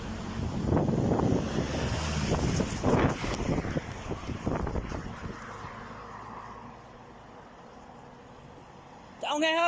สวัสดีครับสวัสดีครับ